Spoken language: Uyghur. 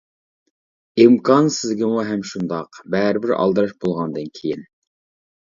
ئىمكان سىزگىمۇ ھەم شۇنداق، بەرىبىر ئالدىراش بولغاندىن كىيىن.